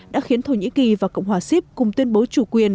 đã khiến thổ nhĩ kỳ và cộng hòa sip cùng tuyên bố chủ quyền